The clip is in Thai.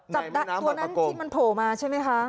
ในแม่น้ำบางปลากงจับตัวนั้นที่มันโผล่มาใช่ไหมคะ